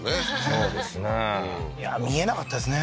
そうですね見えなかったですね